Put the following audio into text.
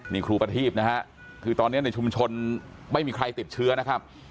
นี่ครูประทีพนะฮะคือตอนนี้ในชุมชนไม่มีใครติดเชื้อนะครับ